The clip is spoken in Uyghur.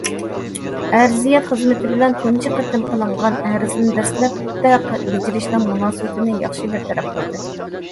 ئەرزىيەت خىزمىتى بىلەن تۇنجى قېتىم قىلىنغان ئەرزنى دەسلەپتە بېجىرىشنىڭ مۇناسىۋىتىنى ياخشى بىر تەرەپ قىلدى.